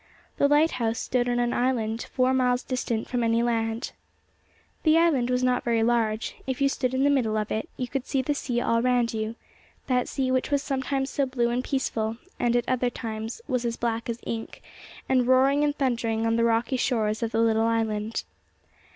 The lighthouse stood on an island, four miles distant from any land. The island was not very large; if you stood in the middle of it, you could see the sea all round you that sea which was sometimes so blue and peaceful, and at other times was as black as ink, and roaring and thundering on the rocky shores of the little island.